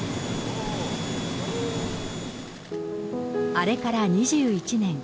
あれから２１年。